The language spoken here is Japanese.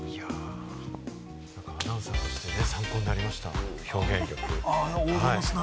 アナウンサーとして参考になりました、表現力。